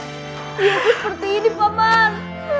dia seperti ini pak man